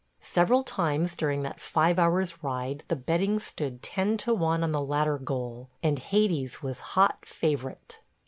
Several times during that five hours' ride the betting stood ten to one on the latter goal, and Hades was hot favorite.